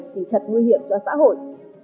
thì thật nguy hiểm cho xã hội